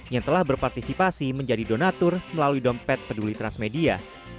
yang telah berpartisipasi menjadi donatur melalui dompet peduli transmedia